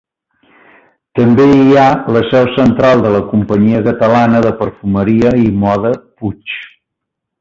També hi ha la seu central de la companyia catalana de perfumeria i moda Puig.